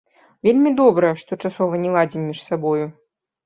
Вельмі добра, што часова не ладзім між сабою.